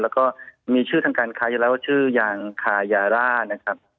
แล้วก็มีชื่อทางการค้าอยู่แล้วว่าชื่อยางคายาร่านะครับ